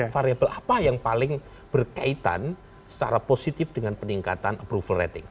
variable apa yang paling berkaitan secara positif dengan peningkatan approval rating